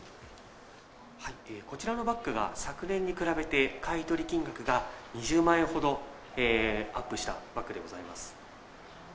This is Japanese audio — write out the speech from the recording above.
こちらのバッグが昨年に比べて買い取り金額が２０万円ほどアップしたバッグでございます。